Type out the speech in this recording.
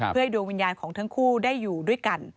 เพื่อให้ดวงวิญญาณของทั้งคู่ได้อยู่ด้วยกัน